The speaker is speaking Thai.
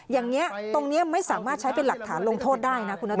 อย่างนี้ตรงนี้ไม่สามารถใช้เป็นหลักฐานลงโทษได้นะคุณนัท